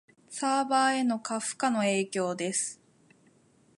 サーバへの過負荷の影響です